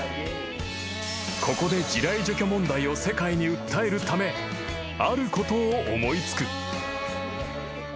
［ここで地雷除去問題を世界に訴えるためあることを思い付く］